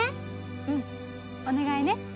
うんお願いね。